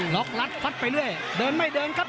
กรัดฟัดไปเรื่อยเดินไม่เดินครับ